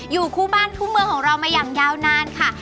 อยู่คู่บ้านคู่เมืองของเรามาอย่างยาวนานค่ะ